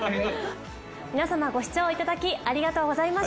皆様ご視聴いただきありがとうございました。